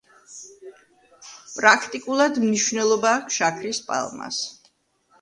პრაქტიკულად მნიშვნელობა აქვს შაქრის პალმას.